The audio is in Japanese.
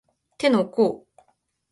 手の甲